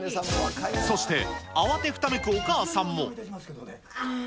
そして、慌てふためくお母さあぁ。